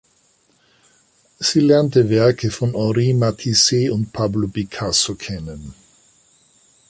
Sie lernte Werke von Henri Matisse und Pablo Picasso kennen.